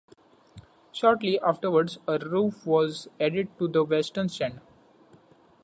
Shortly afterwards, a roof was added to the western stand.